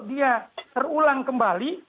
dia terulang kembali